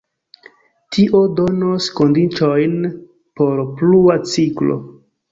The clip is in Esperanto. Tio donos kondiĉojn por plua ciklo.